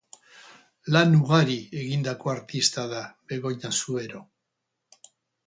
Lan ugari egindako artista da Begoña Zubero.